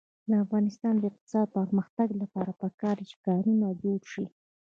د افغانستان د اقتصادي پرمختګ لپاره پکار ده چې کانالونه جوړ شي.